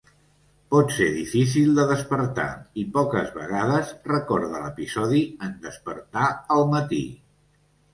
Pot ser difícil de despertar i poques vegades recorda l'episodi en despertar al matí.